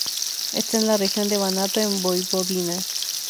Está en la región de Banato, en Voivodina.